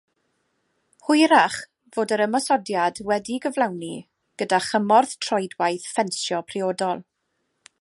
Hwyrach fod yr ymosodiad wedi'i gyflawni gyda chymorth troedwaith ffensio priodol.